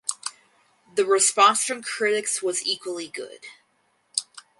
The response from critics was equally good.